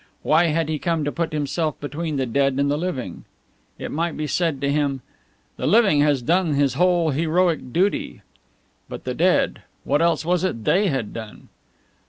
Why had he come to put himself between the dead and the living? It might be said to him: "The living has done his whole heroic duty," but the dead, what else was it that they had done?